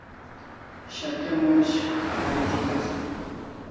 Shat'e moch k'ahari thi asan